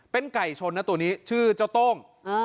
เป็นไก่ชนนะตัวนี้ชื่อเจ้าโต้ง